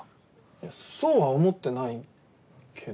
いやそうは思ってないけど。